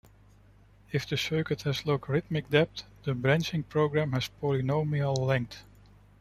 If the circuit has logarithmic depth, the branching program has polynomial length.